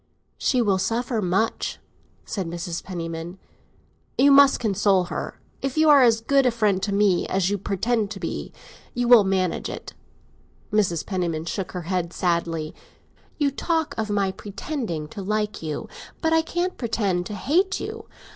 "She will suffer much," said Mrs. Penniman. "You must console her. If you are as good a friend to me as you pretend to be, you will manage it." Mrs. Penniman shook her head sadly. "You talk of my 'pretending' to like you; but I can't pretend to hate you.